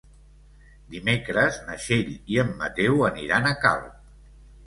Dimecres na Txell i en Mateu aniran a Calp.